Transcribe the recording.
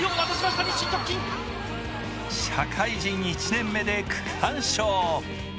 社会人１年目で区間賞。